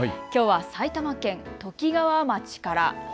きょうは埼玉県ときがわ町から。